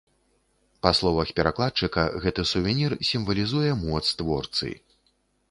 Па словах перакладчыка, гэты сувенір сімвалізуе моц творцы.